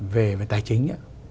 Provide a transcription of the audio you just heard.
về tài chính